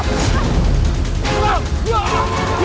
ini jadi bayi